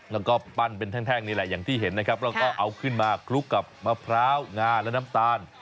แล้วก็ปั้นเป็นแท่งนี่แหละอย่างที่เห็นนะครับแล้วก็เอาขึ้นมาคลุกกับมะพร้างาและน้ำตาล